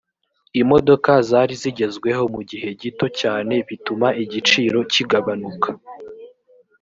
imodoka zari zigezweho mu gihe gito cyane bituma igiciro kigabanuka